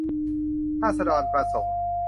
ราษฎรประสงค์